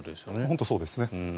本当にそうですね。